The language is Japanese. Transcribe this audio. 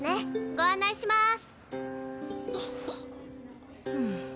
ご案内します！